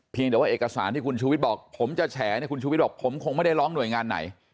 แต่ว่าเอกสารที่คุณชูวิทย์บอกผมจะแฉเนี่ยคุณชูวิทย์บอกผมคงไม่ได้ร้องหน่วยงานไหน